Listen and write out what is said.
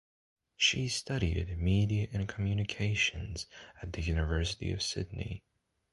She studied media and communications at the University of Sydney.